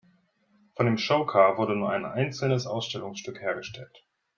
Von dem Showcar wurde nur ein einzelnes Ausstellungsstück hergestellt.